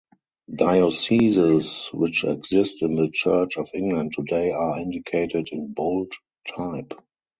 Dioceses which exist in the Church of England today are indicated in bold type.